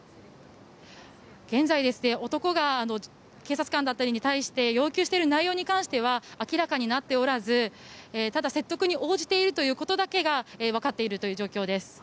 現在、男が警察官だったりに対して要求している内容に関しては明らかになっておらずただ、説得に応じているということだけがわかっているという状況です。